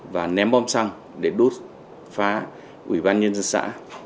và ném bom xăng để đốt phá ubnd dân xã